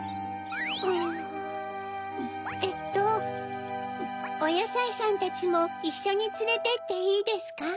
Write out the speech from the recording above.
うぅえっとおやさいさんたちもいっしょにつれてっていいですか？